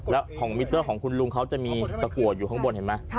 แล้วของมิเตอร์ของคุณลุงเขาจะมีตะกัวอยู่ข้างบนเห็นไหม